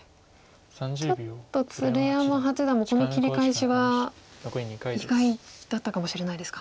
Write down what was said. ちょっと鶴山八段もこの切り返しは意外だったかもしれないですか。